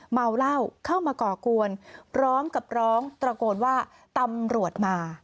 เมาเหล้าเข้ามาก่อกวนพร้อมกับร้องตระโกนว่าตำรวจมา